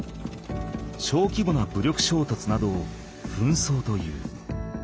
小規模な武力衝突などを紛争という。